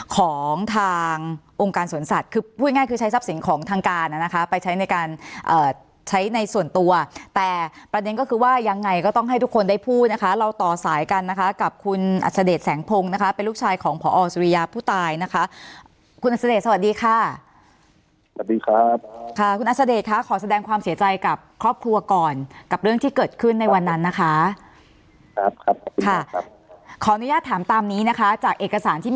ของทางองค์การสนสัตว์คือพูดง่ายคือใช้ทรัพย์สินของทางการน่ะนะคะไปใช้ในการเอ่อใช้ในส่วนตัวแต่ประเด็นก็คือว่ายังไงก็ต้องให้ทุกคนได้พูดนะคะเราต่อสายกันนะคะกับคุณอัศเดชแสงพงนะคะเป็นลูกชายของผอสุริยาผู้ตายนะคะคุณอัศเดชสวัสดีค่ะสวัสดีครับค่ะคุณอัศเดชค่ะขอแสดงความเสียใจกับครอบคร